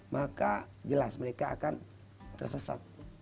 maka jelas mereka akan tersesat